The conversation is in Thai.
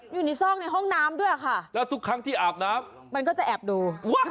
อยู่ในซอกในห้องน้ำด้วยค่ะแล้วทุกครั้งที่อาบน้ำมันก็จะแอบดู